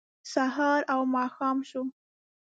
سهار و ماښام شو